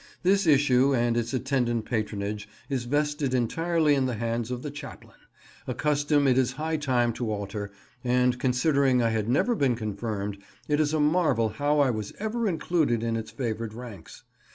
This issue, and its attendant patronage, is vested entirely in the hands of the chaplain—a custom it is high time to alter—and considering I had never been confirmed, it is a marvel how I was ever included in its favoured ranks.